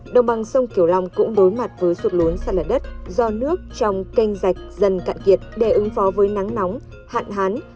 đồng bằng sông kiểu long cũng bối mặt với suốt lốn xa lở đất do nước trong kênh rạch dần cạn kiệt để ứng phó với nắng nóng hạn hán